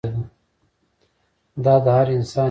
دا د هر انسان هیله ده.